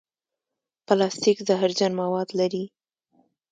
پلاستيک زهرجن مواد لري.